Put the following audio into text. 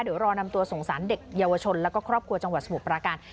เดี๋ยวรอนำตัวส่งสารเด็กเยาวชนแล้วก็ครอบครัวจังหวัดสมุทรปราการ